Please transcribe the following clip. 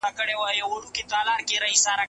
هغې وویل ځینې ورزشکاران د زېږون سره نېکبخته وي.